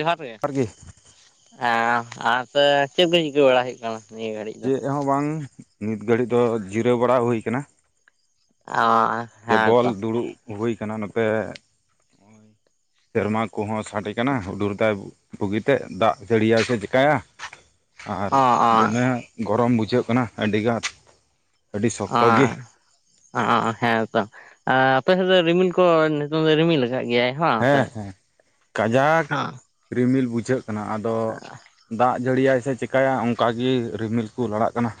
ᱡᱚᱦᱟᱨ ᱜᱮ, ᱟᱨ ᱪᱮᱫ ᱠᱚ ᱪᱤᱠᱟᱹ ᱵᱟᱲᱟ ᱦᱩᱭᱩᱜ ᱠᱟᱱᱟ ᱱᱤᱭᱟᱹ ᱜᱷᱟᱹᱲᱤᱡ ᱫᱚ? ᱪᱮᱫ ᱦᱚᱸ ᱵᱟᱝ ᱱᱤᱛ ᱜᱷᱟᱹᱲᱤᱡ ᱫᱚ ᱡᱤᱨᱟᱹᱣ ᱵᱟᱲᱟ ᱦᱩᱭ ᱟᱠᱟᱱᱟ। ᱟᱸ ᱡᱮ ᱵᱚᱞ ᱫᱩᱲᱩᱵ ᱦᱩᱭ ᱟᱠᱟᱱᱟ ᱱᱚᱛᱮ ᱥᱮᱨᱢᱟ ᱠᱚᱦᱚᱸ ᱥᱟᱰᱮ ᱠᱟᱱᱟ ᱦᱩᱰᱩᱨ ᱫᱟᱭ। ᱵᱩᱜᱤᱛᱮ ᱫᱟᱜ ᱡᱟᱹᱲᱤᱭᱟᱭ ᱥᱮ ᱪᱤᱠᱟᱭᱟᱭ? ᱟᱨ ᱚ ᱚ ᱫᱚᱢᱮ ᱜᱚᱨᱚᱢ ᱵᱩᱡᱷᱟᱹᱜ ᱠᱟᱱᱟ ᱟᱹᱰᱤᱜᱟᱱ। ᱟᱹᱰᱤ ᱥᱚᱠᱛᱚ ᱜᱮ ᱟ ᱟᱻ ᱦᱮᱸ ᱛᱚ ᱟᱯᱮᱥᱮᱫ ᱫᱚ ᱨᱤᱢᱤᱞ ᱠᱚ ᱱᱤᱛᱚᱝ ᱫᱚ ᱨᱤᱢᱤᱞ ᱟᱠᱟᱫ ᱜᱮᱭᱟᱭ? ᱦᱮᱸ ᱦᱮᱸ ᱠᱟᱡᱟᱠ ᱨᱤᱢᱤᱞ ᱵᱩᱡᱷᱟᱹᱜ ᱠᱟᱱᱟ ᱟᱫᱚ ᱫᱟᱜ ᱡᱟᱹᱲᱤᱭᱟᱭ ᱥᱮ ᱪᱮᱠᱟᱭᱟᱭ ᱚᱱᱠᱟ ᱜᱮ ᱨᱤᱢᱤᱞ ᱠᱚ ᱞᱟᱲᱟᱜ ᱠᱟᱱᱟ।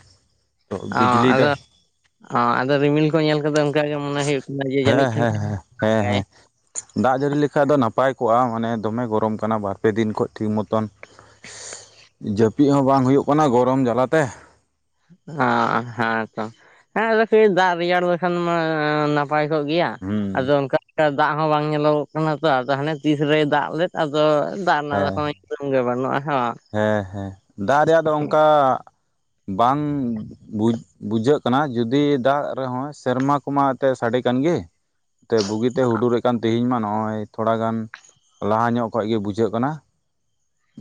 ᱵᱤᱡᱞᱤ ᱫᱟᱭ। ᱟᱸ ᱟᱫᱚ ᱨᱤᱢᱤᱞ ᱠᱚ ᱧᱮᱞ ᱠᱟᱛᱮ ᱚᱱᱠᱟ ᱜᱮ ᱢᱚᱱᱮ ᱦᱩᱭᱩᱜ ᱠᱟᱱᱟ ᱡᱮ ᱦᱮᱸ ᱡᱟᱹᱱᱤᱡ ᱠᱷᱟᱱ ᱦᱮᱸ ᱦᱮᱸ ᱦᱮᱸ ᱫᱟᱜᱟᱭ। ᱦᱮᱸ ᱫᱟᱜ ᱡᱟᱹᱲᱤ ᱞᱮᱠᱷᱟᱡ ᱫᱚ ᱱᱟᱯᱟᱭ ᱠᱚᱜᱼᱟ ᱢᱟᱱᱮ ᱫᱚᱢᱮ ᱜᱚᱨᱚᱢ ᱠᱟᱱᱟ ᱵᱟᱨ-ᱯᱮ ᱫᱤᱱ ᱠᱷᱚᱱ ᱴᱷᱤᱠ ᱢᱚᱛᱚᱱ ᱡᱟᱹᱯᱤᱫ ᱦᱚᱸ ᱵᱟᱝ ᱦᱩᱭᱩᱜ ᱠᱟᱱᱟ ᱜᱚᱨᱚᱢ ᱡᱟᱞᱟᱛᱮ। [unintelligible] ᱱᱟᱯᱟᱭ ᱠᱚᱜ ᱜᱮᱭᱟ ᱦᱩᱸ ᱟᱫᱚ ᱚᱱᱠᱟ ᱫᱟᱜ ᱦᱚᱸ ᱵᱟᱝ ᱧᱮᱞᱚᱜᱚᱜ ᱠᱟᱱᱟ ᱛᱚ ᱟᱫᱚ ᱦᱟᱱᱮ ᱛᱤᱥ ᱨᱮᱭ ᱫᱟᱜ ᱞᱮᱫ ᱟᱫᱚ ᱫᱟᱜ ᱦᱮᱸ ᱨᱮᱱᱟᱜ ᱫᱚ [unintelligible] ᱦᱮᱸ ᱦᱮᱸ ᱫᱟᱜ ᱨᱮᱭᱟᱜ ᱫᱚ ᱚᱱᱠᱟ ᱵᱟᱢ ᱵᱩᱡ ᱵᱩᱡᱷᱟᱹᱜ ᱠᱟᱱᱟ ᱡᱩᱫᱤ ᱫᱟᱜ ᱨᱮᱦᱚᱸ ᱥᱮᱨᱢᱟ ᱠᱚᱢᱟ ᱮᱱᱛᱮᱫ ᱥᱟᱰᱮ ᱠᱟᱱ ᱜᱮ। ᱛᱮ ᱵᱩᱜᱤᱛᱮ ᱦᱩᱰᱩᱨᱮᱫ ᱠᱟᱱ ᱛᱮᱦᱮᱧ ᱢᱟ ᱱᱚᱜᱼᱚᱭ। ᱛᱷᱚᱲᱟ ᱜᱟᱱ ᱞᱟᱦᱟ ᱧᱚᱜ ᱠᱷᱚᱭ ᱜᱮ ᱵᱩᱡᱷᱟᱹᱜ ᱠᱟᱱᱟ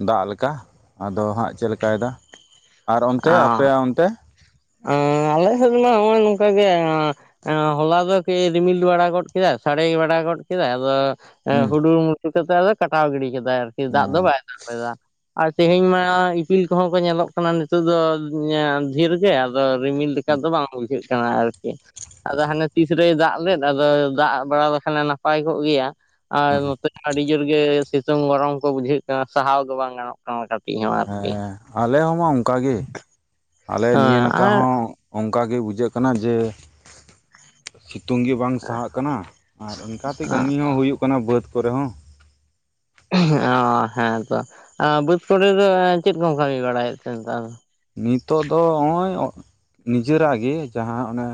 ᱫᱟᱜ ᱞᱮᱠᱟ। ᱠᱟ ᱟᱫᱚ ᱦᱟᱸᱜ ᱪᱮᱫ ᱞᱮᱠᱟᱭ ᱮᱫᱟ, ᱟᱨ ᱚᱱᱛᱮ ᱚ ᱟᱯᱮᱭᱟᱜ ᱚᱱᱛᱮ? ᱟᱞᱮ ᱥᱮᱛ ᱢᱟ ᱱᱚᱜᱼᱚᱭ ᱱᱚᱝᱠᱟᱜ ᱜᱮ। ᱦᱚᱞᱟ ᱫᱚ ᱠᱟ. ᱭ ᱨᱤᱢᱤᱞ ᱵᱟᱲᱟ ᱜᱚᱫ ᱠᱮᱫᱟ ᱥᱟᱲᱮ ᱵᱟᱲᱟ ᱜᱚᱫ ᱠᱮᱫᱟ ᱟᱫᱚ ᱦᱩᱸ ᱦᱩᱰᱩᱨ ᱢᱩᱪᱩ ᱠᱟᱛᱮ ᱠᱟᱴᱟᱣ ᱜᱤᱰᱤ ᱠᱮᱫᱟᱭ ᱟᱨᱠᱤ ᱫᱟᱜ ᱫᱚ ᱦᱮᱸ ᱵᱟᱭ ᱫᱟᱜ। ᱫᱟᱜ ᱞᱮᱫᱟ, ᱟᱨ ᱛᱮᱦᱮᱧ ᱢᱟ ᱤᱯᱤᱞ ᱠᱚᱦᱚᱸ ᱠᱚ ᱧᱮᱞᱚᱜ ᱠᱟᱱᱟ ᱱᱤᱛ ᱱᱤᱛᱚᱜ ᱫᱚ ᱫᱷᱤᱨ ᱜᱮ ᱟᱫᱚ ᱨᱤᱢᱤᱞ ᱞᱮᱠᱟ ᱫᱚ ᱵᱟᱝ ᱵᱩᱡᱷᱟᱹᱜ ᱠᱟᱱᱟ ᱟᱨ ᱠᱤ। ᱟᱫᱚ ᱦᱟᱱᱮ ᱛᱤᱥ ᱨᱮᱭ ᱫᱟᱜ ᱞᱮᱫ ᱟᱫᱚ ᱫᱟᱜ ᱵᱟᱲᱟ ᱞᱮᱠᱷᱟᱱᱮ ᱱᱟᱯᱟᱭ ᱠᱚᱜ ᱜᱮᱭᱟ। ᱟᱨ ᱱᱚᱛᱮ ᱟᱹᱰᱤ ᱡᱳᱨ ᱜᱮ ᱥᱤᱛᱩᱝ ᱜᱚᱨᱚᱢ ᱠᱚ ᱵᱩᱡᱷᱟᱹᱜ ᱠᱟᱱᱟ ᱥᱟᱦᱟᱣ ᱜᱮ ᱵᱟᱝ ᱜᱟᱱᱚᱜ ᱠᱟᱱᱟ। ᱟᱨ [unintelligible] ᱟᱨᱠᱤ ᱟᱞᱮ ᱦᱚᱸᱢᱟ ᱚᱱᱠᱟ ᱜᱮ ᱟᱞᱮ ᱱᱤᱭᱟᱹ ᱦᱮᱸ ᱱᱟᱠᱷᱟ ᱟᱨ ᱦᱚᱸ ᱚᱱᱠᱟ ᱜᱮ ᱵᱩᱡᱷᱟᱹᱜ ᱠᱟᱱᱟ ᱡᱮ ᱥᱤᱛᱩᱝ ᱜᱮ ᱵᱟᱝ ᱥᱟᱦᱟᱜ ᱠᱟᱱᱟ ᱟᱨ ᱤᱱᱠᱟᱹᱛᱮ ᱠᱟᱹᱢᱤ ᱦᱚᱸᱦᱩᱭᱩᱜ ᱠᱟᱱᱟ ᱵᱟᱹᱫ ᱠᱚᱨᱮᱦᱚᱸ। ᱚ ᱦᱮᱸ ᱛᱚ ᱵᱟᱹᱫᱽ ᱠᱚᱨᱮ ᱫᱚ ᱪᱮᱫ ᱠᱚᱢ ᱠᱟᱹᱢᱤ ᱵᱟᱲᱟᱭᱮᱫ ᱛᱮ ᱱᱮᱛᱟᱨ ᱫᱚ? ᱱᱤᱛᱚᱜ ᱫᱚ ᱱᱚᱜᱼᱚᱭ ᱱᱤᱡᱮᱨᱟᱜ ᱜᱮ ᱡᱟᱦᱟᱸ ᱚᱱᱮ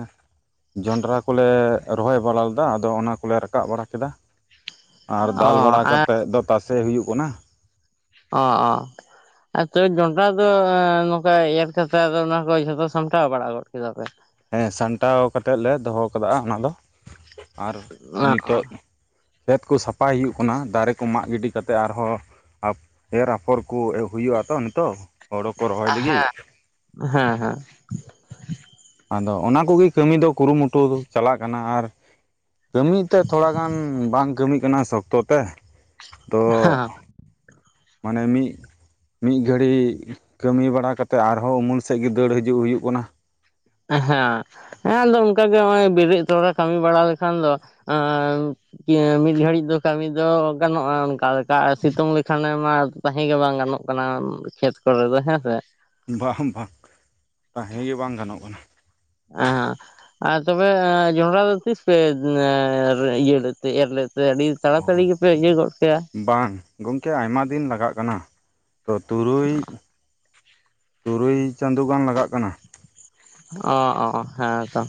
ᱡᱚᱸᱰᱨᱟ ᱠᱚᱞᱮ ᱨᱚᱦᱚᱭ ᱵᱟᱲᱟ ᱞᱮᱫᱟ ᱟᱫᱚ ᱚᱱᱟ ᱠᱚᱞᱮ ᱨᱟᱠᱟᱵ ᱵᱟᱲᱟ ᱠᱮᱫᱟ। ᱟᱨ ᱚ ᱫᱟᱞ ᱵᱟᱲᱟ ᱟᱨ ᱠᱟᱛᱮᱫ ᱫᱚ ᱛᱟᱥᱮ ᱦᱩᱭᱩᱜ ᱠᱟᱱᱟ। ᱚ ᱚ ᱟᱨ ᱛᱚᱵᱮ ᱡᱚᱱᱰᱨᱟ ᱫᱚ ᱱᱚᱝᱠᱟ ᱮᱨ ᱠᱟᱛᱮ ᱫᱚ ᱚᱱᱟ ᱠᱚ ᱡᱷᱚᱛᱚ ᱥᱟᱢᱴᱟᱣ ᱵᱟᱲᱟ ᱜᱚᱫ ᱠᱮᱫᱟ ᱯᱮ ᱦᱮᱸ ᱥᱟᱢᱴᱟᱣ ᱠᱟᱛᱮᱜ ᱞᱮ ᱫᱚᱦᱚ ᱠᱟᱫᱟ ᱚᱱᱟ ᱫᱚ ᱟᱨ ᱚ ᱱᱤᱛᱚᱜ ᱠᱷᱮᱛ ᱠᱚ ᱥᱟᱯᱷᱟᱭ ᱦᱩᱭᱩᱜ ᱠᱟᱱᱟ ᱫᱟᱨᱮ ᱠᱚ ᱢᱟᱜ ᱜᱤᱰᱤ ᱠᱟᱛᱮ ᱟᱨᱦᱚᱸ ᱮᱨ ᱟᱯᱷᱚᱨ ᱠᱚ ᱦᱩᱭᱩᱜᱼᱟ ᱛᱚ ᱱᱤᱛᱚᱜ ᱦᱳᱲᱳ ᱠᱚ ᱨᱚᱦᱚᱭ ᱞᱟᱹᱜᱤᱫ ᱦᱮᱸ ᱦᱮᱸ ᱟᱫᱚ ᱚᱱᱟ ᱠᱚᱜᱮ ᱠᱟᱹᱢᱤ ᱫᱚ ᱠᱩᱨᱩ ᱢᱩᱴᱩ ᱪᱟᱞᱟᱜ ᱠᱟᱱᱟ ᱟᱨ ᱠᱟᱹᱢᱤ ᱛᱮ ᱛᱷᱚᱲᱟ ᱜᱟᱱ ᱵᱟᱝ ᱠᱟᱹᱢᱤ ᱠᱟᱱᱟ ᱥᱚᱠᱛᱚ ᱛᱮ ᱛᱚ ᱢᱟᱱᱮ ᱢᱤᱫ ᱢᱤᱫ ᱜᱷᱟᱹᱲᱤᱡ ᱠᱟᱹᱢᱤ ᱵᱟᱲᱟ ᱠᱟᱛᱮ ᱟᱨᱦᱚᱸ ᱩᱢᱩᱞ ᱥᱮᱫ ᱜᱮ ᱫᱟᱹᱲ ᱦᱤᱡᱩᱜ ᱦᱩᱭᱩᱜ ᱠᱟᱱᱟ ᱦᱮᱸ᱾ ᱦᱮᱸ ᱟᱫᱚ ᱚᱱᱠᱟᱜᱮ ᱱᱚᱜ-ᱚᱭ ᱵᱮᱨᱮᱫ ᱛᱚᱨᱟ ᱠᱟᱹᱢᱤ ᱵᱟᱲᱟ ᱞᱮᱠᱷᱟᱱ ᱫᱚ ᱮᱸ ᱢᱤᱫ ᱜᱷᱟᱹᱲᱤᱡ ᱫᱚ ᱠᱟᱹᱢᱤ ᱫᱚ ᱜᱟᱱᱚᱜᱼᱟ ᱚᱱᱠᱟ ᱞᱮᱠᱟ ᱥᱤᱛᱩᱝ ᱞᱮᱠᱷᱟᱱᱮ ᱢᱟ ᱛᱟᱦᱮᱸ ᱜᱮ ᱵᱟᱝ ᱜᱟᱱᱚᱜ ᱠᱟᱱᱟ ᱠᱷᱮᱛ ᱠᱚᱨᱮ ᱫᱚ ᱦᱮᱸᱥᱮ ᱵᱟᱝ ᱵᱟᱝ ᱛᱟᱦᱮᱸ ᱜᱮ ᱵᱟᱝ ᱜᱟᱱᱚᱜ ᱠᱟᱱᱟ᱾ ᱮᱸ ᱟᱨ ᱛᱚᱵᱮ ᱡᱚᱸᱰᱨᱟ ᱫᱚ ᱛᱤᱥ ᱯᱮ ᱤᱭᱟᱹ ᱞᱮᱫ ᱛᱮ ᱮᱨ ᱞᱮᱫ ᱛᱮ ᱟᱹᱰᱤ ᱛᱟᱲᱟ ᱚ ᱛᱟᱹᱲᱤ ᱜᱮᱯᱮ ᱤᱭᱟᱹ ᱜᱚᱫ ᱠᱮᱼᱟ ᱵᱟᱝ ᱜᱚᱝᱠᱮ ᱟᱭᱢᱟ ᱫᱤᱱ ᱞᱟᱜᱟᱜ ᱠᱟᱱᱟ ᱛᱚ ᱛᱩᱨᱩᱭ ᱛᱩᱨᱩᱭ ᱪᱟᱸᱫᱳ ᱜᱟᱱ ᱞᱟᱜᱟᱜ ᱠᱟᱱᱟ ᱚ ᱚ ᱦᱮᱸᱛᱚ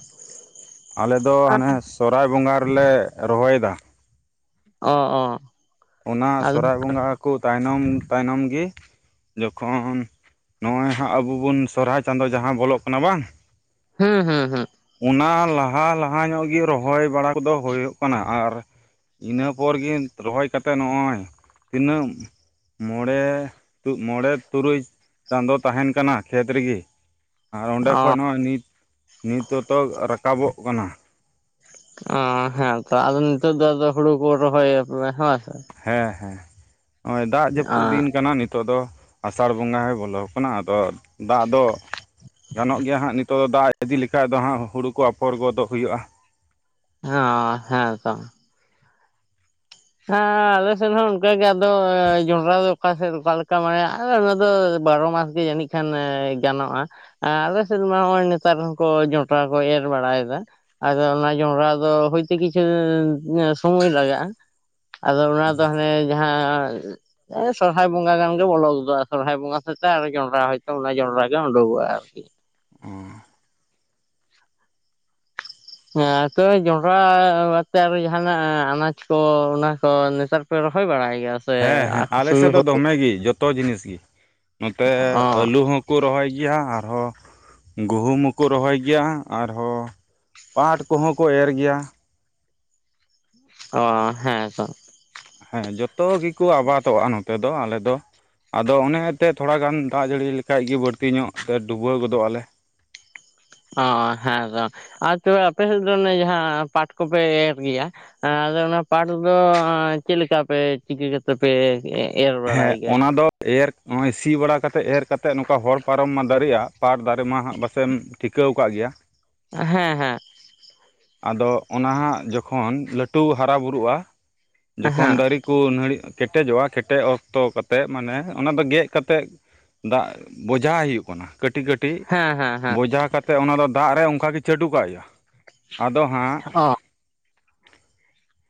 ᱟᱞᱮ ᱫᱚ ᱦᱟᱱᱮ ᱥᱚᱨᱦᱟᱭ ᱵᱚᱸᱜᱟ ᱨᱮᱞᱮ ᱨᱚᱦᱚᱭ ᱮᱫᱟ᱾ ᱚᱸ ᱚᱸ ᱚᱱᱟ ᱥᱚᱨᱦᱟᱭ ᱵᱚᱸᱜᱟ ᱠᱚ ᱛᱟᱭᱱᱚᱢ ᱛᱟᱭᱱᱚᱢ ᱜᱮ ᱡᱚᱠᱷᱚᱱ ᱱᱚᱜᱼᱚᱭ ᱦᱟᱸᱜ ᱟᱵᱚ ᱵᱚᱱ ᱥᱚᱨᱦᱟᱭ ᱪᱟᱸᱫᱳ ᱡᱟᱦᱟᱸ ᱵᱚᱞᱚᱜ ᱠᱟᱱᱟ ᱵᱟᱝ ᱦᱩᱸ ᱦᱩᱸ ᱦᱩᱸ ᱚᱱᱟ ᱞᱟᱦᱟ ᱞᱟᱦᱟ ᱧᱚᱜ ᱜᱮ ᱨᱚᱦᱚᱭ ᱵᱟᱲᱟ ᱠᱚᱫᱚ ᱦᱩᱭᱩᱜ ᱠᱟᱱᱟ ᱟᱨ ᱤᱱᱟᱹ ᱯᱚᱨ ᱜᱮ ᱨᱚᱦᱚᱭ ᱠᱟᱛᱮ ᱱᱚᱜᱼᱚᱭ ᱛᱤᱱᱟᱹᱜ ᱢᱚᱬᱮ ᱢᱚᱬᱮ ᱛᱩᱨᱩᱭ ᱪᱟᱸᱫᱳ ᱛᱟᱦᱮᱱ ᱠᱟᱱᱟ ᱠᱷᱮᱛ ᱨᱮᱜᱮ ᱟᱨ ᱚᱸᱰᱮ ᱚ ᱠᱷᱚᱡ ᱱᱚᱜ ᱼᱚᱭ ᱱᱤᱛ ᱱᱤᱛ ᱛᱚᱛᱚ ᱨᱟᱠᱟᱵᱚᱜ ᱠᱟᱱᱟ ᱚᱸ ᱦᱮᱸ ᱛᱚ ᱟᱫᱚ ᱱᱤᱛᱚᱜ ᱫᱚ ᱦᱩᱲᱩ ᱠᱚ ᱨᱚᱦᱚᱭ ᱦᱮᱸ ᱥᱮ ᱦᱮᱸ ᱦᱮᱸ ᱱᱚᱼᱚᱭ ᱫᱟᱜ ᱚ ᱡᱟᱹᱯᱩᱫ ᱫᱤᱱ ᱠᱟᱱᱟ ᱱᱤᱛᱚᱜ ᱱᱤᱛᱚᱜ ᱫᱚ ᱟᱥᱟᱲ ᱵᱚᱸᱜᱟ ᱦᱚᱸ ᱵᱚᱞᱚ ᱟᱠᱟᱱᱟ ᱟᱫᱚ ᱫᱟᱜ ᱫᱚ ᱜᱟᱱᱚᱜ ᱜᱮᱭᱟ ᱦᱟᱸᱜ ᱱᱤᱛᱚᱜ ᱫᱚ ᱫᱟᱜ ᱤᱫᱤ ᱞᱮᱠᱷᱟᱡ ᱫᱚ ᱦᱟᱸᱜ ᱦᱩᱲᱩ ᱠᱚ ᱟᱯᱷᱚᱨ ᱜᱚᱫᱚᱜ ᱦᱩᱭᱩᱜᱼᱟ᱾ ᱚᱸ ᱦᱮᱸᱛᱚ ᱦᱮᱸ ᱟᱞᱮ ᱥᱮᱱ ᱦᱚᱸ ᱚᱱᱠᱟ ᱜᱮ ᱟᱫᱚ ᱡᱚᱱᱰᱨᱟ ᱫᱚ ᱚᱠᱟ ᱥᱮᱱ ᱚᱠᱟ ᱞᱮᱠᱟ ᱢᱟᱱᱮ ᱚᱱᱟ ᱫᱚ ᱵᱟᱨᱚ ᱢᱟᱥ ᱜᱮ ᱡᱟᱹᱱᱤᱡ ᱠᱷᱟᱱ ᱜᱟᱱᱚᱜᱼᱟ ᱟᱞᱮ ᱥᱮᱫ ᱢᱟ ᱦᱚᱸᱜᱼᱚᱭ ᱱᱮᱛᱟᱨ ᱦᱚᱸᱠᱚ ᱡᱚᱱᱰᱨᱟ ᱠᱚ ᱮᱨ ᱵᱟᱲᱟᱭᱮᱫᱟ᱾ ᱟᱫᱚ ᱚᱱᱟ ᱡᱚᱱᱰᱨᱟ ᱫᱚ ᱦᱚᱭᱛᱳ ᱠᱤᱪᱷᱩ ᱥᱚᱢᱚᱭ ᱞᱟᱜᱟᱜᱼᱟ ᱟᱫᱚ ᱚᱱᱟ ᱫᱚ ᱦᱟᱱᱮ ᱡᱟᱦᱟᱸ ᱦᱮᱸ ᱥᱚᱨᱦᱟᱭ ᱵᱚᱸᱜᱟ ᱜᱟᱱ ᱜᱮ ᱵᱚᱞᱚ ᱜᱚᱫᱚᱜᱼᱟ ᱥᱚᱨᱦᱟᱭ ᱵᱚᱸᱜᱟ ᱥᱟᱛᱮᱜ ᱟᱨᱚ ᱡᱚᱸᱰᱨᱟ ᱦᱚᱭᱛᱳ ᱚᱱᱟ ᱡᱚᱸᱰᱨᱟ ᱜᱮ ᱩᱰᱩᱠᱚᱜᱼᱟ ᱟᱨᱠᱤ ᱦᱮᱸ ᱛᱚᱵᱮ ᱡᱚᱱᱰᱨᱟ ᱵᱟᱫ ᱛᱮ ᱟᱨᱚ ᱡᱟᱦᱱᱟᱜ ᱟᱱᱟᱡ ᱠᱚ ᱚᱱᱟ ᱠᱚ ᱱᱮᱛᱟᱨ ᱯᱮ ᱨᱚᱦᱚᱭ ᱵᱟᱲᱟᱭ ᱜᱮᱭᱟ ᱥᱮ ᱦᱮᱸ ᱦᱮᱸ ᱟᱞᱮ ᱥᱩᱫᱩ ᱥᱮᱫ ᱫᱚ ᱫᱚᱢᱮ ᱜᱮ ᱡᱚᱛᱚ ᱡᱤᱱᱤᱥ ᱜᱮ ᱱᱚᱛᱮ ᱚ ᱟᱹᱞᱩ ᱦᱚᱸ ᱠᱚ ᱨᱚᱦᱚᱭ ᱜᱮᱭᱟ ᱟᱨᱦᱚᱸ ᱜᱩᱦᱩᱢ ᱦᱚᱸᱠᱚ ᱨᱚᱦᱚᱭ ᱜᱮᱭᱟ ᱟᱨᱦᱚᱸ᱾ ᱯᱟᱴ ᱠᱚᱦᱚᱸ ᱠᱚ ᱮᱨ ᱜᱮᱭᱟ ᱚᱸ ᱦᱮᱸ ᱛᱚ ᱦᱮᱸ ᱡᱚᱛᱚ ᱜᱮᱠᱚ ᱟᱵᱟᱫᱚᱜᱼᱟ ᱱᱚᱛᱮ ᱫᱚ ᱟᱞᱮ ᱫᱚ ᱟᱫᱚ ᱚᱱᱮ ᱮᱱᱛᱮ ᱛᱷᱚᱲᱟ ᱜᱟᱱ ᱫᱟᱜ ᱡᱟᱹᱲᱤ ᱞᱮᱠᱷᱟᱡ ᱜᱮ ᱵᱟᱹᱲᱛᱤ ᱧᱚᱜ ᱛᱮ ᱰᱩᱵᱟᱹᱣ ᱜᱚᱫᱚᱜ ᱟᱞᱮ ᱚ ᱦᱮᱸ ᱛᱚ ᱟᱨ ᱛᱚᱵᱮ ᱟᱯᱮ ᱥᱮᱫ ᱫᱚ ᱚᱱᱮ ᱡᱟᱦᱟᱸ ᱯᱟᱴ ᱠᱚᱯᱮ ᱮᱨ ᱜᱮᱭᱟ᱾ ᱟᱫᱚ ᱚᱱᱟ ᱯᱟᱴ ᱫᱚ ᱪᱮᱫ ᱞᱮᱠᱟ ᱯᱮ ᱪᱤᱠᱟᱹ ᱠᱟᱛᱮ ᱯᱮ, ᱮ ᱮᱨ ᱵᱟᱲᱟᱭ ᱦᱮᱸ ᱜᱮᱭᱟ? ᱚᱱᱟ ᱫᱚ ᱮᱨ ᱱᱚᱜᱼᱚᱭ ᱥᱤ ᱵᱟᱲᱟ ᱠᱟᱛᱮᱫ ᱮᱨ ᱠᱟᱛᱮᱫ ᱱᱚᱝᱠᱟ ᱦᱚᱲ ᱯᱟᱨᱚᱢ ᱢᱟ ᱫᱟᱨᱮᱜ-ᱟ ᱯᱟᱴ ᱫᱟᱨᱮ ᱢᱟ ᱦᱟᱸᱜ ᱵᱟᱥᱮᱢ ᱴᱤᱠᱟᱹᱣ ᱠᱟᱜ ᱜᱮᱭᱟ᱾ ᱦᱮᱸ ᱦᱮᱸ᱾ ᱟᱫᱚ ᱚᱱᱟ ᱦᱟᱸᱟᱜ ᱡᱚᱠᱷᱚᱱ ᱞᱟᱹᱴᱩ ᱦᱟᱨᱟ ᱵᱩᱨᱩᱜ-ᱟ, ᱡᱚᱠᱷᱚᱱ ᱦᱮᱸ ᱫᱟᱨᱮ ᱠᱚ ᱱᱟᱹᱲᱤᱜ ᱠᱮᱴᱮᱡᱚᱜᱼᱟ ᱠᱮᱴ ᱴᱮ ᱚᱠᱛᱚ ᱠᱟᱛᱮᱫ ᱢᱟᱱᱮ ᱚᱱᱟ ᱫᱚ ᱜᱮᱜ ᱠᱟᱛᱮᱫ ᱫᱟᱜ ᱵᱚᱡᱷᱟ ᱦᱩᱭᱩᱜ ᱠᱟᱱᱟ᱾ ᱠᱟᱹᱴᱤᱡ ᱠᱟᱹᱴᱤᱡ ᱦᱮᱸ ᱦᱮᱸ ᱦᱮᱸ ᱵᱚᱡᱟ ᱠᱟᱛᱮᱫ ᱚᱱᱟ ᱫᱚ ᱫᱟᱜ ᱨᱮ ᱚᱱᱠᱟ ᱜᱤ ᱪᱟᱹᱰᱩ ᱠᱟᱜ ᱦᱩᱭᱩᱜ-ᱟ᱾ ᱟᱫᱚ ᱦᱟᱸᱜ ᱚ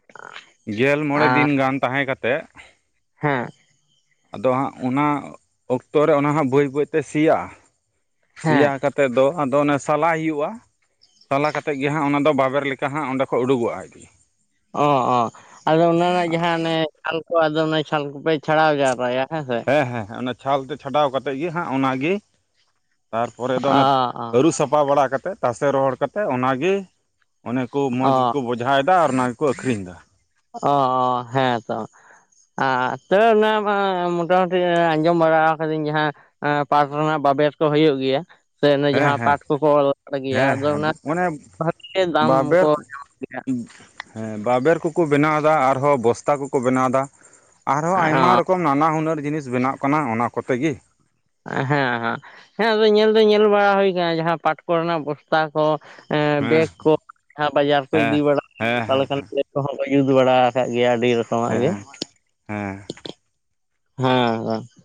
[unintelligible] ᱜᱮᱞ ᱢᱚᱬᱮ ᱟᱨ ᱫᱤᱱ ᱜᱟᱱ ᱛᱟᱦᱮᱸ ᱠᱟᱛᱮᱜ ᱦᱮᱸ ᱟᱫᱚ ᱦᱟᱸᱜ ᱚᱱᱟ ᱚᱠᱛᱚᱨᱮ ᱚᱱᱟ ᱦᱟᱸᱜ ᱵᱟᱹᱭ ᱵᱟᱹᱭᱛᱮ ᱥᱤᱭᱟᱜᱼᱟ᱾ ᱥᱤᱭᱟ ᱦᱮᱸ ᱠᱟᱛᱮᱫ ᱫᱚ ᱟᱫᱚ ᱚᱱᱮ ᱥᱟᱞᱟᱭ ᱦᱩᱭᱩᱜᱼᱟ᱾ ᱥᱟᱞᱟ ᱠᱟᱛᱮᱫ ᱜᱮ ᱦᱟᱸᱟᱜ ᱚᱱᱟᱫᱚ ᱵᱟᱵᱮᱨ ᱞᱮᱠᱟ ᱦᱟᱸᱜ ᱚᱸᱰᱮᱠᱷᱚᱡ ᱩᱰᱩᱜᱚᱜᱼᱟ ᱟᱡ ᱛᱤᱜᱤ᱾ ᱚ ᱚ ᱟᱫᱚ ᱚᱱᱮ ᱚᱱᱟ ᱡᱟᱦᱟᱸ ᱚᱱᱮ ᱪᱷᱟᱞ ᱠᱚ ᱟᱫᱚ ᱚᱱᱟ ᱪᱷᱟᱞ ᱠᱚᱯᱮ ᱪᱷᱟᱲᱟᱣ ᱡᱟᱣᱨᱟᱭᱟ ᱦᱮᱸ ᱥᱮ? ᱦᱮ ᱦᱮ ᱚᱱᱟ ᱪᱷᱟᱞ ᱛᱮᱫ ᱪᱷᱟᱰᱟᱣ ᱠᱟᱛᱮ ᱜᱮ ᱦᱟᱸᱜ ᱚᱱᱟᱜᱤ ᱛᱟᱨᱯᱚᱨᱮ ᱫᱚ ᱚ ᱚᱱᱮ ᱚ ᱟᱹᱨᱩ ᱥᱟᱯ ᱥᱟᱯᱷᱟ ᱵᱟᱲᱟ ᱠᱟᱛᱮ ᱛᱟᱥᱮ ᱨᱚᱦᱚᱲ ᱠᱟᱛᱮ ᱚᱱᱟᱜᱮ ᱚᱱᱮ ᱠᱚ ᱢᱚᱡᱽ ᱚ ᱜᱮᱠᱚ ᱵᱚᱡ᱾ ᱡᱷᱟᱭᱫᱟ ᱟᱨ ᱚᱱᱟ ᱜᱮᱠᱚ ᱟᱠᱷᱨᱤᱧ ᱫᱟ᱾ ᱚ ᱚ ᱦᱮᱸ ᱛᱚ ᱟ ᱛᱚ ᱚᱱᱟ ᱢᱟ ᱢᱚᱴᱟᱢᱩᱴᱤ ᱟᱸᱡᱚᱢ ᱵᱟᱲᱟ ᱟᱠᱟᱫᱤᱧ ᱡᱟᱦᱟᱸ ᱮᱸ ᱯᱟᱴ ᱨᱮᱱᱟᱜ ᱵᱟᱵᱮᱨ ᱠᱚ ᱦᱩᱭᱩᱜ ᱜᱮᱭᱟ᱾ ᱥᱮ ᱚᱱᱮ ᱦᱮᱸ ᱡᱟᱦᱟᱸ ᱦᱮᱸ ᱯᱟᱴᱷ ᱠᱚᱠᱚ ᱚᱞ ᱜᱮᱭᱟ ᱦᱮᱸ ᱟᱫᱚ ᱦᱮᱸ ᱚᱱᱟ ᱚᱱᱮ ᱵᱷᱟᱜᱮᱜᱮ ᱫᱟᱢ ᱵᱟᱵᱮᱨ ᱠᱚ ᱧᱟᱢᱚᱜ ᱜᱮᱭᱟ᱾ ᱦᱮᱸ ᱵᱟᱵᱮᱨ ᱠᱚᱠᱚ ᱵᱮᱱᱟᱣ ᱮᱫᱟ ᱟᱨᱦᱚᱸ ᱵᱚᱥᱛᱟ ᱠᱚᱠᱚ ᱵᱮᱱᱟᱣ ᱮᱫᱟ ᱟᱨᱦᱚᱸ ᱟᱭᱢᱟ ᱨᱚᱠ ᱠᱚ ᱱᱟᱱᱟ ᱦᱩᱱᱟᱹᱨ ᱡᱤᱱᱤᱥ ᱵᱮᱱᱟᱜ ᱠᱟᱱᱟ ᱚᱱᱟ ᱠᱚᱛᱮ ᱜᱤ᱾ ᱦᱮᱸ ᱦᱮᱸ ᱦᱮᱸ ᱟᱫᱚ ᱧᱮᱞ ᱫᱚ ᱧᱮᱞ ᱵᱟᱲᱟ ᱦᱩᱭ ᱟᱠᱟᱱᱟ ᱡᱟᱦᱟᱸ ᱯᱟᱴᱷ ᱠᱚᱨᱮᱱᱟᱜ ᱵᱚᱥᱛᱟ ᱠᱚ, ᱮᱸ ᱦᱮᱸ ᱵᱮᱜᱽ ᱠᱚ ᱡᱟᱦᱟᱸ ᱵᱟᱡᱟᱨ ᱠᱚ ᱤᱫᱤ ᱦᱮᱸ ᱵᱟᱲᱟ ᱦᱮᱸ ᱦᱮᱸ ᱦᱩᱭᱩᱜ [unintelligible] ᱠᱚᱦᱚᱸ ᱠᱚ ᱡᱩᱛ ᱵᱟᱲᱟ ᱠᱟᱜ ᱜᱮᱭᱟ ᱟᱹᱰᱤ ᱨᱚᱠᱚᱢᱟᱜ ᱜᱮ᱾ ᱦᱮᱸ ᱦᱮᱸ ᱦᱮᱸ ᱛᱚ᱾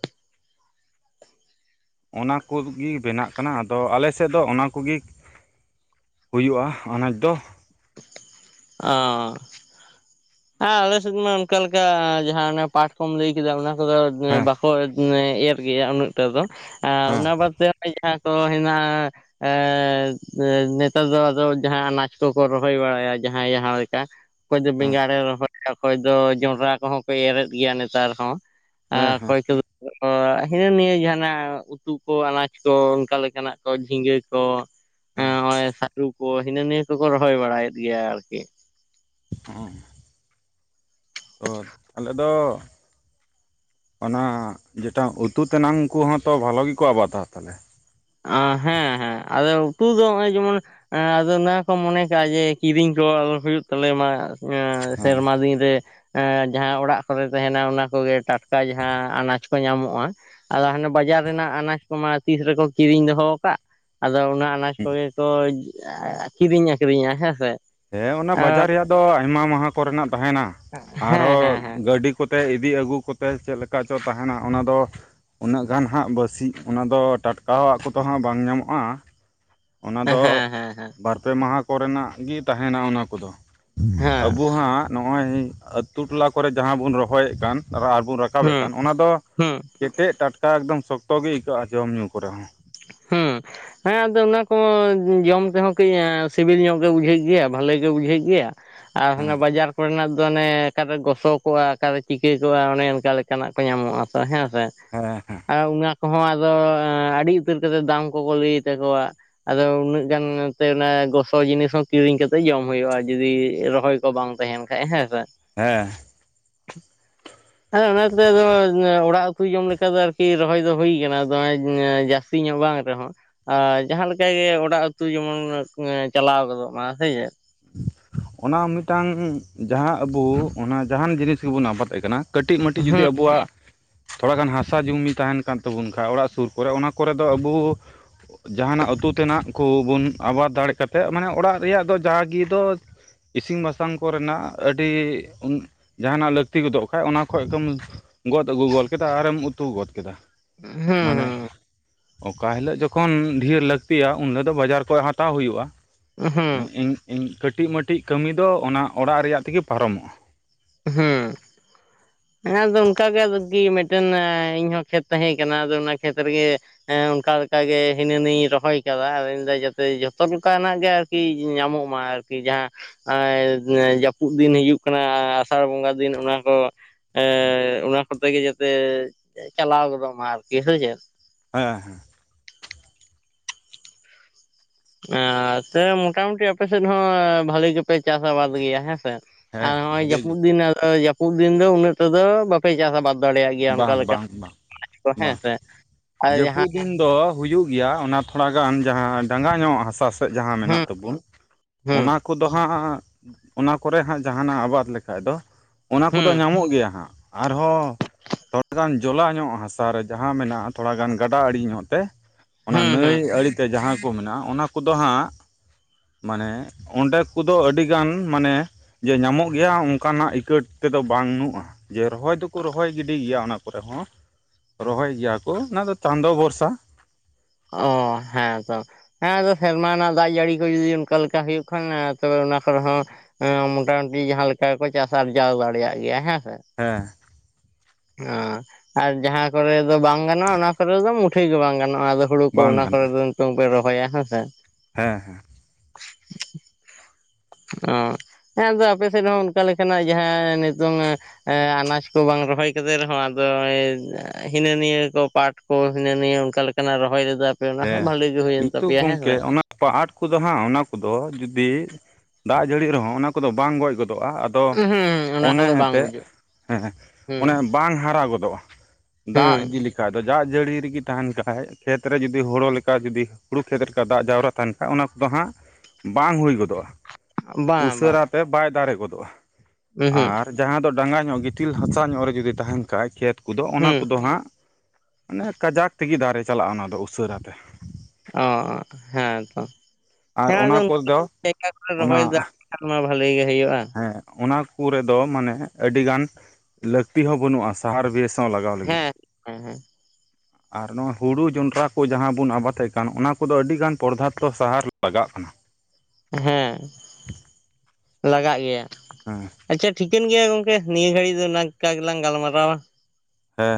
ᱚᱱᱟ ᱠᱚᱜᱤ ᱵᱮᱱᱟᱜ ᱠᱟᱱᱟ ᱟᱫᱚ ᱟᱞᱮᱥᱮᱫ ᱫᱚ ᱚᱱᱟ ᱠᱩᱜᱤ ᱦᱩᱭᱩᱜᱼᱟ ᱟᱱᱟᱪᱽ ᱫᱚ ᱚᱸᱻ ᱟᱨ ᱟᱞᱮᱥᱮᱫ ᱢᱟ ᱚᱱᱠᱟ ᱞᱮᱠᱟ ᱡᱟᱦᱟᱸ ᱚᱱᱮ ᱯᱟᱴ ᱠᱚᱚᱢ ᱞᱟᱹᱭ ᱠᱮᱫᱟ ᱚᱱᱟ ᱠᱚᱫᱚ ᱦᱮᱸ ᱵᱟᱠᱚ ᱮᱨ ᱜᱮᱭᱟ ᱩᱱᱟᱹᱜ ᱴᱟ ᱫᱚ ᱟᱨ ᱦᱮᱸ ᱚᱱᱟ ᱵᱟᱫᱮ ᱚᱱᱮ ᱡᱟᱦᱟᱸ ᱛᱚ ᱦᱱᱟᱜ-ᱟ, ᱮᱸᱫᱻ ᱱᱮᱛᱟᱨ ᱫᱚ ᱟᱫᱚ ᱡᱟᱦᱟᱸᱭ ᱟᱱᱟᱪᱽ ᱠᱚᱠᱚ ᱨᱚᱦᱚᱭ ᱵᱟᱲᱟᱭᱟ ᱡᱟᱦᱟᱸᱭ ᱡᱟᱦᱟᱸᱞᱮᱠᱟ, ᱚᱠᱚᱭ ᱫᱚ ᱦᱮᱸ ᱵᱮᱸᱜᱟᱲᱮ ᱨᱚᱦᱚᱭᱟ ᱚᱠᱚᱭ ᱫᱚ ᱡᱚᱸᱰᱨᱟ ᱠᱚᱦᱚᱸ ᱠᱚ ᱮᱨᱮᱫ ᱜᱮᱭᱟ ᱱᱮᱛᱟᱨ ᱦᱚᱸ᱾ ᱟᱸ ᱦᱮᱸ ᱚᱠᱚᱭ ᱠᱚ ᱚᱻ ᱦᱤᱱᱟᱹ ᱱᱤᱭᱟᱹ ᱡᱟᱦᱟᱸᱱᱟᱜ ᱩᱛᱩ ᱠᱚ ᱟᱱᱟᱪ ᱠᱚ ᱚᱱᱠᱟ ᱞᱮᱠᱟᱱᱟᱜ ᱠᱚ ᱡᱷᱤᱸᱜᱟᱹ ᱠᱚ, ᱮᱸ ᱦᱮᱸ ᱦᱚᱚᱜᱚᱭ ᱥᱟᱹᱨᱩ ᱠᱚ ᱦᱤᱱᱟᱹ ᱱᱤᱭᱟᱹ ᱠᱚᱠᱚ ᱨᱚᱦᱚᱭ ᱵᱟᱲᱟᱭᱮᱫ ᱜᱮᱭᱟ ᱟᱨᱠᱤ᱾ [unintelligible] ᱛᱚ ᱟᱞᱮ ᱫᱚ ᱚᱱᱟ ᱡᱮᱴᱟ ᱩᱛᱩ ᱛᱮᱱᱟᱝ ᱠᱚᱦᱚᱸ ᱛᱚ ᱵᱷᱟᱞᱚ ᱜᱤᱠᱚ ᱟᱵᱟᱫᱟ ᱛᱟᱞᱦᱮ? ᱚ ᱦᱮᱸ ᱦᱮᱸ ᱟᱫᱚ ᱩᱛᱩ ᱫᱚ ᱱᱚᱜ-ᱚᱭ ᱡᱮᱢᱚᱱ ᱮᱸ ᱟᱫᱚ ᱱᱚᱣᱟ ᱠᱚ ᱢᱚᱱᱮ ᱠᱟᱜ-ᱟ ᱡᱮ ᱠᱤᱨᱤᱧ ᱠᱚ ᱟᱞᱚ ᱦᱩᱭᱩᱜ ᱛᱟᱞᱮ ᱢᱟ᱾ ᱟᱸ ᱦᱮᱸ ᱦᱮᱸ ᱥᱮᱨᱢᱟ ᱫᱤᱱ ᱨᱮ᱾ ᱮᱸ ᱡᱟᱦᱟᱸ ᱚᱲᱟᱜ ᱠᱚᱨᱮ ᱛᱟᱦᱮᱱᱟ ᱚᱱᱟ ᱠᱚᱜᱮ ᱴᱟᱴᱠᱟ ᱡᱟᱦᱟᱸ ᱟᱱᱟᱪ ᱠᱚ ᱧᱟᱢᱚᱜ-ᱟ᱾ ᱟᱫᱚ ᱦᱟᱱᱮ ᱵᱟᱡᱟᱨ ᱨᱮᱱᱟᱜ ᱟᱱᱟᱪ ᱠᱚᱢᱟ ᱛᱤᱥ ᱨᱮᱠᱚ ᱠᱤᱨᱤᱧ ᱫᱚᱦᱚ ᱟᱠᱟᱜ ᱟᱫᱚ ᱚᱱᱟ ᱟᱱᱟᱪ ᱠᱚᱜᱮ ᱠᱚ, ᱠᱤᱨᱤᱧ ᱟᱠᱷᱨᱤᱧ ᱧᱮᱜ-ᱟ ᱦᱮᱸᱥᱮ? ᱦᱮᱸ ᱚᱱᱟ ᱵᱟᱡᱟᱨ ᱨᱮᱭᱟᱜ ᱫᱚ ᱟᱭᱢᱟ ᱢᱟᱦᱟ ᱠᱚᱨᱮᱱᱟᱜ ᱛᱟᱦᱮᱱᱟ ᱦᱮᱸ ᱟᱨᱦᱚᱸ ᱦᱮᱸ ᱜᱟᱹᱰᱤ ᱠᱚᱛᱮ ᱤᱫᱤ ᱟᱹᱜᱩ ᱠᱚᱛᱮ ᱪᱮᱫ ᱞᱮᱠᱟ ᱪᱚ ᱛᱟᱦᱮᱱᱟ, ᱚᱱᱟ ᱫᱚ ᱩᱱᱟᱹᱜ ᱜᱟᱱ ᱦᱟᱸᱜ ᱵᱟᱥᱤᱜ ᱚᱱᱟ ᱫᱚ ᱴᱟᱴᱠᱟᱼᱟᱜ ᱠᱚᱫᱚ ᱦᱟᱸᱜ ᱵᱟᱝ ᱧᱟᱢᱚᱜᱼᱟ᱾ ᱚᱱᱟ ᱦᱮᱸ ᱫᱚ ᱦᱮᱸ ᱦᱮᱸ ᱵᱟᱨ ᱯᱮ ᱢᱟᱦᱟ ᱠᱚᱨᱮᱱᱟᱜ ᱜᱮ ᱛᱟᱦᱮᱱᱟ ᱚᱱᱟ ᱠᱚᱫᱚ, ᱦᱮᱸ ᱟᱵᱩ ᱦᱟᱸᱜ ᱱᱚᱜᱼᱚᱭ ᱟᱸᱛᱩ ᱴᱚᱞᱟ ᱠᱚᱨᱮ ᱡᱟᱦᱟᱸ ᱵᱚᱱ ᱨᱚᱦᱚᱭᱮᱫ ᱠᱟᱱ ᱟᱨᱵᱚᱱ ᱨᱟᱠᱟᱵ ᱨᱟᱠᱟᱵᱮᱫ ᱦᱩᱸ ᱠᱟᱱ ᱚᱱᱟ ᱫᱚ ᱦᱩᱸ ᱠᱮᱸᱴᱮᱡ ᱴᱟᱴᱠᱟ ᱮᱠᱫᱚᱢ ᱥᱚᱠᱛᱚ ᱜᱮ ᱟᱹᱭᱠᱟᱹᱜᱼᱟ ᱡᱚᱢ ᱧᱩᱸ ᱠᱚᱨᱮ ᱦᱚᱸ ᱦᱮᱸ ᱦᱮᱸ ᱟᱫᱚ ᱚᱱᱟ ᱠᱚ ᱡᱚᱢ ᱛᱮᱦᱚᱸ ᱠᱟᱹᱡ ᱥᱤᱵᱤᱞ ᱧᱚᱜ ᱜᱮ ᱵᱩᱡᱷᱟᱹᱜ ᱜᱮᱭᱟ ᱵᱷᱟᱹᱞᱤ ᱜᱮ ᱵᱩᱡᱷᱟᱹᱜ ᱜᱮᱭᱟ᱾ ᱟᱨ ᱦᱟᱱᱟ ᱦᱮᱸ ᱵᱟᱡᱟᱨ ᱛᱟᱨᱯᱚᱨᱮ ᱱᱟᱜ ᱫᱚ ᱚᱱᱮ ᱚᱠᱟᱨᱮ ᱜᱚᱥᱚᱠᱚᱜᱼᱟ ᱚᱠᱟᱨᱮ ᱪᱤᱠᱟᱹ ᱠᱚᱜᱼᱟ ᱚᱱᱮ ᱚᱱᱠᱟ ᱞᱮᱠᱟᱱᱟᱜ ᱠᱚ ᱧᱟᱢᱚᱜᱼᱟ ᱛᱚ ᱦᱮᱸ ᱥᱮ ᱦᱮᱸ ᱦᱮᱸ ᱟᱨ ᱚᱱᱟ ᱠᱚᱦᱚᱸ ᱟᱫᱚ ᱟᱹᱰᱤ ᱩᱛᱟᱹᱨ ᱠᱟᱛᱮᱫ ᱫᱟᱢ ᱠᱚᱠᱚ ᱞᱟᱹᱭ ᱛᱟᱠᱚᱣᱟ᱾ ᱟᱫᱚ ᱩᱱᱟᱹᱜ ᱜᱟᱱ ᱱᱚᱛᱮ ᱚᱱᱟ ᱜᱚᱥᱚ ᱡᱤᱱᱤᱥ ᱦᱚᱸ ᱠᱤᱨᱤᱧ ᱠᱟᱛᱮᱜ ᱡᱚᱢ ᱦᱩᱭᱩᱜᱼᱟ ᱡᱩᱫᱤ ᱨᱚᱦᱚᱭ ᱠᱚ ᱵᱟᱝ ᱛᱟᱦᱮᱱ ᱦᱮᱸ ᱥᱮ ᱵᱟᱝ ᱦᱮᱸ ᱦᱮᱸ ᱚᱱᱟᱛᱮ ᱟᱫᱚ ᱚᱸᱲᱟᱜ ᱩᱸᱛᱩ ᱡᱚᱢ ᱞᱮᱠᱟ ᱫᱚ ᱟᱨᱠᱤ ᱨᱚᱦᱚᱭ ᱫᱚ ᱦᱩᱭ ᱟᱠᱟᱱᱟ ᱡᱟᱹᱥᱛᱤ ᱧᱚᱜ ᱵᱟᱝ ᱨᱮᱦᱚᱸ᱾ ᱟᱨ ᱡᱟᱦᱟᱸᱞᱮᱠᱟ ᱜᱮ ᱚᱸᱲᱟᱜ ᱩᱸᱛᱩ ᱡᱮᱢᱚᱱ ᱪᱟᱞᱟᱣ ᱜᱚᱫᱚᱜ ᱢᱟ ᱥᱮ ᱪᱮᱫ? ᱚᱱᱟ ᱢᱤᱫ ᱴᱟᱝ ᱡᱟᱦᱟᱸ ᱟᱵᱚ ᱚᱱᱟ ᱡᱟᱦᱟᱱ ᱡᱤᱱᱤᱥ ᱜᱮᱵᱚᱱ ᱟᱵᱟᱫᱽ ᱟᱠᱟᱱᱟ, ᱠᱟᱹᱴᱤᱡ ᱢᱟᱹᱴᱤᱡ ᱡᱩᱫᱤ ᱦᱩᱸ ᱟᱵᱚᱣᱟᱜ ᱛᱷᱚᱲᱟ ᱜᱟᱱ ᱦᱟᱥᱟ ᱡᱩᱢᱤ ᱛᱟᱦᱮᱱ ᱠᱟᱱ ᱛᱟᱵᱚᱱ ᱠᱷᱟᱡ ᱚᱸᱲᱟᱜ ᱥᱩᱨ ᱠᱚᱨᱮ ᱚᱱᱟ ᱠᱚᱨᱮ ᱫᱚ ᱟᱵᱚ ᱡᱟᱦᱟᱱᱟᱜ ᱩᱸᱛᱩ ᱛᱮᱱᱟᱜ ᱠᱚᱵᱚᱱ ᱟᱵᱟᱫᱽ ᱫᱟᱲᱮᱸ ᱠᱟᱛᱮᱫ ᱢᱟᱱᱮ ᱚᱸᱲᱟᱜ ᱨᱮᱭᱟᱜ ᱫᱚ ᱡᱟᱦᱟᱜᱮ ᱫᱚ ᱤᱥᱤᱱ ᱵᱟᱥᱟᱝ ᱠᱚᱨᱮᱱᱟᱜ ᱟᱹᱰᱤ ᱡᱟᱦᱟᱱᱟᱜ ᱞᱟᱹᱠᱛᱤ ᱜᱚᱫᱚᱜ ᱠᱷᱟᱡ ᱚᱱᱟ ᱠᱷᱚᱱ ᱜᱮᱢ ᱜᱚᱫ ᱟᱹᱜᱩ ᱜᱚᱫ ᱠᱮᱫᱟ ᱟᱨᱮᱢ ᱩᱛᱩ ᱜᱚᱫ ᱠᱮᱫᱟ, ᱢᱟᱱᱮ ᱦᱩᱸ ᱚᱠᱟ ᱦᱤᱞᱚᱜ ᱡᱚᱠᱷᱚᱱ ᱰᱷᱮᱨ ᱞᱟᱹᱠᱛᱤᱜᱼᱟ ᱩᱱ ᱦᱤᱞᱚᱜ ᱫᱚ ᱵᱟᱡᱟᱨ ᱠᱷᱚᱡ ᱦᱟᱛᱟᱣ ᱦᱩᱭᱩᱜᱼᱟ᱾ ᱦᱩᱸ ᱢᱟᱱᱮ ᱦᱩᱸ ᱤᱧ ᱠᱟᱹᱴᱤᱡᱼᱢᱟᱹᱴᱤᱡ ᱠᱟᱹᱢᱤ ᱫᱚ ᱚᱱᱟ ᱚᱸᱲᱟᱜ ᱨᱮᱭᱟᱜ ᱛᱮᱜᱮ ᱯᱟᱨᱚᱢᱚᱜᱼᱟ᱾ ᱦᱩᱸ ᱦᱮᱸ ᱟᱫᱚ ᱚᱱᱠᱟ ᱜᱮ ᱟᱨᱠᱤ ᱢᱤᱫᱴᱮᱱ ᱤᱧ ᱦᱚᱸ ᱠᱷᱮᱛ ᱛᱟᱦᱮᱸ ᱠᱟᱱᱟ ᱟᱫᱚ ᱚᱱᱟ ᱠᱷᱮᱛ ᱨᱮᱜᱮ ᱦᱮᱸ ᱚᱱᱠᱟ ᱞᱮᱠᱟ ᱜᱮ ᱦᱤᱱᱟᱹ ᱱᱤᱭᱟᱧ ᱨᱚᱦᱚᱭ ᱟᱠᱟᱫᱟ ᱟᱨ ᱤᱧ ᱢᱮᱱᱫᱟ ᱡᱟᱛᱮ ᱡᱷᱚᱛᱚ ᱞᱮᱠᱟᱱᱟᱜ ᱜᱮ ᱟᱨᱠᱤ ᱧᱟᱢᱚᱜ ᱢᱟ ᱟᱨᱠᱤ ᱡᱟᱦᱟᱸ ᱡᱟᱹᱯᱩᱫ ᱫᱤᱱ ᱦᱤᱡᱩᱜ ᱠᱟᱱᱟ ᱟᱸᱥᱟᱲ ᱵᱚᱸᱜᱟ ᱫᱤᱱ ᱚᱱᱟ ᱠᱚ ᱮᱻ ᱠᱚᱛᱮ ᱜᱮ ᱡᱟᱛᱮ ᱪᱟᱞᱟᱣ ᱜᱚᱫᱚᱜ ᱢᱟ ᱟᱨᱠᱤ ᱥᱮ ᱪᱮᱫ? ᱦᱮᱸ ᱦᱮᱸ ᱮ ᱥᱮ ᱢᱚᱴᱟᱢᱩᱴᱤ ᱟᱯᱮᱥᱮᱫ ᱦᱚᱸ ᱵᱷᱟᱹᱞᱤ ᱜᱮᱯᱮ ᱪᱟᱥ ᱟᱵᱟᱫᱽ ᱜᱮᱭᱟ ᱦᱮᱸᱥᱮ? ᱟᱨ ᱦᱮᱸ ᱱᱚᱜᱼᱚᱭ ᱵᱷᱟᱜᱮ ᱜᱮ ᱡᱟᱹᱯᱩᱫ ᱫᱤᱱ ᱡᱟᱹᱯᱩᱫ ᱫᱤᱱ ᱫᱚ ᱩᱱᱟᱹᱜ ᱴᱟᱫᱚ ᱵᱟᱯᱮ ᱪᱟᱥ ᱟᱵᱟᱫᱽ ᱫᱟᱲᱮᱭᱟᱜ ᱜᱮᱭᱟ ᱚᱱᱠᱟ ᱵᱟᱝ ᱞᱮᱠᱟ ᱵᱟᱝ ᱵᱟᱝ [unintelligible] ᱦᱮᱸ ᱵᱟᱝ ᱥᱮ ᱟᱨ ᱡᱟᱦᱟᱸ ᱡᱟᱹᱯᱩᱫ ᱫᱤᱱ ᱫᱚ ᱦᱩᱭᱩᱜ ᱜᱮᱭᱟ ᱚᱱᱟ ᱛᱷᱚᱲᱟ ᱜᱟᱱ ᱡᱟᱦᱟᱸ ᱰᱟᱸᱜᱟ ᱧᱚᱜ ᱦᱟᱥᱟ ᱡᱟᱦᱟᱸ ᱦᱩᱸ ᱢᱮᱱᱟᱜ ᱛᱟᱵᱚᱱ ᱦᱩᱸ ᱚᱱᱟ ᱠᱚᱫᱚ ᱦᱟᱸᱜ ᱚᱱᱟ ᱠᱚᱨᱮ ᱦᱟᱸᱜ ᱡᱟᱦᱟᱱᱟᱜ ᱟᱵᱟᱫᱽ ᱞᱮᱠᱷᱟᱡ ᱫᱚ ᱚᱱᱟ ᱠᱚᱫᱚ ᱦᱩᱸ ᱧᱟᱢᱚᱜ ᱜᱮᱭᱟ ᱦᱟᱸᱜ ᱟᱨᱦᱚᱸ ᱛᱷᱚᱲᱟ ᱜᱟᱱ ᱡᱚᱞᱟᱧᱚᱜ ᱦᱟᱥᱟᱨᱮ ᱡᱟᱦᱟᱸ ᱢᱮᱱᱟᱜᱼᱟ ᱛᱷᱚᱲᱟ ᱜᱟᱱ ᱜᱟᱸᱰᱟ ᱟᱸᱲᱮ ᱧᱚᱜ ᱛᱮ ᱚᱱᱟ ᱦᱩᱸ ᱱᱟᱹᱭ ᱦᱩᱸ ᱟᱸᱲᱮᱛᱮ ᱡᱟᱦᱟᱸ ᱠᱚ ᱢᱮᱱᱟᱜᱼᱟ ᱚᱱᱟ ᱠᱚᱫᱚ ᱦᱟᱸᱜ ᱢᱟᱱᱮ ᱚᱸᱰᱮ ᱠᱚᱫᱚ ᱟᱹᱰᱤᱜᱟᱱ ᱢᱟᱱᱮ ᱡᱮ ᱧᱟᱢᱚᱜ ᱜᱮᱭᱟ ᱚᱱᱠᱟᱱᱟᱜ ᱤᱠᱟᱹᱴ ᱛᱮᱫᱚ ᱵᱟᱹᱱᱩᱜᱼᱟ ᱡᱮ ᱨᱚᱦᱚᱭ ᱫᱚᱠᱚ ᱨᱚᱦᱚᱭ ᱜᱤ ᱴᱷᱤᱠ ᱜᱮᱭᱟ ᱚᱱᱟ ᱠᱚᱨᱮ ᱦᱚᱸ ᱨᱚᱦᱚᱭ ᱜᱮᱭᱟ ᱠᱚ ᱚᱱᱟᱫᱚ ᱪᱟᱸᱫᱚ ᱵᱷᱚᱨᱥᱟ ᱚ ᱦᱮᱸ ᱛᱚ ᱦᱮᱸ ᱟᱫᱚ ᱥᱮᱨᱢᱟ ᱨᱮᱱᱟᱜ ᱫᱟᱜ ᱡᱟᱹᱲᱤ ᱠᱚ ᱡᱩᱫᱤ ᱚᱱᱠᱟ ᱞᱮᱠᱟ ᱦᱩᱭᱩᱜ ᱠᱷᱟᱱ ᱛᱚᱵᱮ ᱚᱱᱟ ᱠᱚᱨᱮ ᱦᱚᱸ ᱢᱚᱴᱟᱢᱩᱴᱤ ᱡᱟᱦᱟᱸ ᱞᱮᱠᱟ ᱠᱚ ᱪᱟᱥ ᱟᱨᱡᱟᱣ ᱫᱟᱲᱮᱭᱟᱜ ᱜᱮᱭᱟ ᱦᱮᱸᱥᱮ ᱦᱮᱸ ᱚ ᱟᱨ ᱡᱟᱦᱟᱸ ᱠᱚᱨᱮ ᱫᱚ ᱵᱟᱝ ᱜᱟᱱᱚᱜᱼᱟ ᱚᱱᱟ ᱠᱚᱨᱮ ᱫᱚ ᱢᱩᱴᱷᱟᱹᱭ ᱜᱮ ᱵᱟᱝ ᱜᱟᱱᱚᱜᱼᱟ ᱟᱫᱚ ᱦᱩᱲᱩ ᱠᱚ ᱵᱟᱝ ᱚᱱᱟ ᱠᱚᱨᱮ ᱜᱟᱱᱚᱜᱼᱟ ᱫᱚ ᱱᱤᱛᱚᱝ ᱯᱮ ᱨᱚᱦᱚᱭᱟ ᱦᱮᱸᱥᱮ ᱦᱮᱸ ᱦᱮᱸ ᱚ ᱦᱮᱸ ᱟᱫᱚ ᱟᱯᱮᱥᱮᱫ ᱦᱚᱸ ᱚᱱᱠᱟ ᱞᱮᱠᱟᱱᱟᱜ ᱡᱟᱦᱟᱸ ᱱᱤᱛᱚᱝ ᱟᱱᱟᱡ ᱠᱚ ᱵᱟᱝ ᱨᱚᱦᱚᱭ ᱠᱟᱛᱮ ᱨᱮᱦᱚᱸ ᱟᱫᱚ ᱦᱤᱱᱟᱹ ᱱᱤᱭᱟᱹ ᱠᱚ ᱯᱟᱴ ᱠᱚ ᱦᱤᱱᱟᱹ ᱱᱤᱭᱟᱹ ᱚᱱᱠᱟ ᱞᱮᱠᱟᱱᱟᱜ ᱨᱚᱦᱚᱭ ᱞᱮᱫᱟ ᱛᱮ ᱚᱱᱟ ᱦᱚᱸ ᱵᱷᱟᱞᱤ ᱜᱮ ᱦᱩᱭᱮᱱ ᱛᱟᱯᱮᱭᱟ ᱦᱮᱸᱥᱮᱸ ᱟᱯᱟ ᱟᱴ ᱠᱚᱫᱚ ᱦᱟᱸᱜ ᱚᱱᱟ ᱠᱚᱫᱚ ᱡᱩᱫᱤ ᱫᱟᱜ ᱡᱟᱹᱲᱤ ᱨᱮᱦᱚᱸ ᱚᱱᱟ ᱠᱚᱫᱚ ᱵᱟᱝ ᱜᱚᱡ ᱜᱚᱫᱚᱜᱼᱟ ᱟᱫᱚ ᱩᱸᱦᱩᱸ ᱚᱱᱟ ᱚᱱᱮ ᱠᱚᱫᱚ ᱵᱟᱝ ᱮᱱᱛᱮᱫ ᱵᱩᱡᱩᱜᱼᱟ ᱦᱮᱸ ᱦᱩᱸ ᱚᱱᱮ ᱵᱟᱝ ᱦᱟᱨᱟ ᱜᱚᱫᱚᱜᱼᱟ ᱦᱩᱸ ᱫᱟᱜ ᱤᱫᱤ ᱞᱮᱠᱷᱟᱡ ᱫᱚ ᱫᱟᱜ ᱡᱟᱹᱲᱤ ᱨᱮᱜᱮ ᱛᱟᱦᱮᱱ ᱠᱷᱟᱡ ᱠᱷᱮᱛᱨᱮ ᱡᱩᱫᱤ ᱡᱩᱫᱤ ᱦᱳ‍ᱸᱲᱳ ᱞᱮᱠᱟ ᱡᱩᱫᱤ ᱦᱩᱸᱲᱩ ᱠᱷᱮᱸᱛ ᱞᱮᱠᱟ ᱫᱟᱜ ᱡᱟᱣᱨᱟ ᱛᱟᱦᱮᱱ ᱠᱷᱟᱡ ᱚᱱᱟ ᱠᱚᱫᱚ ᱦᱟᱸᱜ ᱵᱟᱝ ᱦᱩᱭ ᱜᱚᱫᱚᱜᱼᱟ ᱵᱟᱝ ᱵᱟᱝ ᱩᱥᱟᱹᱨᱟᱛᱮ ᱵᱟᱭ ᱫᱟᱨᱮ ᱜᱚᱫᱚᱜᱼᱟ ᱩᱸᱦᱩᱸᱜ ᱟᱨ ᱡᱟᱦᱟᱸ ᱫᱚ ᱰᱟᱸᱜᱟ ᱧᱚᱜ ᱜᱤᱛᱤᱞ ᱦᱟᱥᱟ ᱧᱚᱜ ᱨᱮ ᱡᱩᱫᱤ ᱛᱟᱦᱮᱱ ᱠᱷᱟᱡ ᱠᱷᱮᱸᱛ ᱠᱚᱫᱚ ᱚᱱᱟ ᱦᱩᱸ ᱠᱚᱫᱚ ᱦᱟᱸᱜ ᱚᱱᱮ ᱠᱟᱡᱟᱠ ᱛᱮᱜᱮ ᱫᱟᱨᱮ ᱪᱟᱞᱟᱜᱼᱟ ᱚᱱᱟ ᱫᱚ ᱩᱥᱟᱹᱨᱟᱛᱮ᱾ ᱚ ᱦᱮᱸ ᱛᱚ ᱟᱨ ᱦᱮᱸ ᱟᱫᱚ ᱚᱱᱟ ᱠᱚᱫᱚ ᱡᱟᱭᱜᱟ ᱠᱚᱞᱮ ᱚᱱᱟ ᱨᱚᱦᱚᱭ ᱫᱟ ᱮᱱᱠᱷᱟᱱ ᱢᱟ ᱵᱷᱟᱹᱞᱤ ᱜᱮ ᱦᱩᱭᱩᱜᱼᱟ ᱦᱮᱸ ᱚᱱᱟ ᱠᱚ ᱨᱮ ᱫᱚ ᱢᱟᱱᱮ ᱟᱹᱰᱤ ᱜᱟᱱ ᱞᱟᱹᱠᱛᱤ ᱦᱚᱸ ᱵᱟᱹᱱᱩᱜᱼᱟ ᱥᱮ ᱥᱟᱦᱟᱨ ᱵᱮᱥ ᱥᱟᱶ ᱞᱟᱜᱟᱣ ᱞᱟᱹᱜᱤᱫ ᱦᱮᱸ [inaudible] ᱟᱨ ᱱᱚᱣᱟ ᱦᱳᱲᱳ ᱡᱚᱱᱰᱨᱟ ᱠᱚ ᱡᱟᱦᱟᱸ ᱵᱚᱱ ᱟᱵᱟᱫᱮᱫ ᱠᱟᱱ ᱚᱱᱟ ᱠᱚᱫᱚ ᱟᱹᱰᱤ ᱜᱟᱱ ᱯᱚᱫᱷᱟᱨᱛᱚ ᱥᱟᱦᱟᱨ ᱞᱟᱜᱟᱜ ᱠᱟᱱᱟ ᱦᱮᱸ ᱞᱟᱜᱟᱜ ᱜᱮᱭᱟ ᱦᱮᱸ ᱟᱪᱪᱷᱟ ᱴᱷᱤᱠᱟᱹᱱ ᱜᱮᱭᱟ ᱜᱚᱝᱠᱮ ᱱᱤᱭᱟᱹ ᱜᱷᱟᱹᱲᱤᱡ ᱫᱚ ᱚᱱᱟᱠᱟ ᱜᱮᱞᱟᱝ ᱜᱟᱞᱢᱟᱨᱟᱣᱟ ᱦᱮᱸ